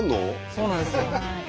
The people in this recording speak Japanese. そうなんですよ。